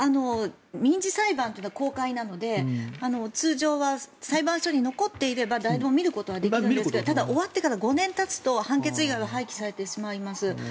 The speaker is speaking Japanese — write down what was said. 民事裁判というのは公開なので通常は裁判所に残っていれば誰でも見ることはできるんですがただ、終わってから５年たつと判決以外は破棄されてしまいます。